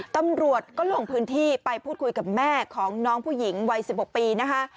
ตำรวจก็ลงพื้นที่ไปพูดคุยกับแม่ของน้องผู้หญิงวัย๑๖ปีนะคะ